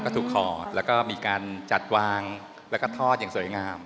ก็ถูกขอดแล้วก็มีการจัดวางแล้วก็ทอดอย่างสวยงาม